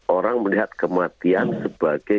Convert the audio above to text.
orang melihat kematian sebagai